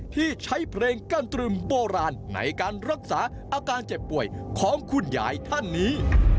ที่ใช้เพลงกั้นตรึมโบราณในการรักษาอาการเจ็บป่วยของคุณยายท่านนี้